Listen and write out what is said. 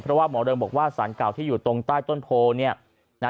เพราะว่าหมอเริงบอกว่าสารเก่าที่อยู่ตรงใต้ต้นโพเนี่ยนะ